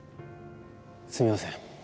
すいません。